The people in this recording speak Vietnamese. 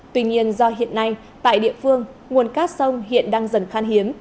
tuy nhiên do hiện nay tại địa phương nguồn cát sông hiện đang dần khan hiếm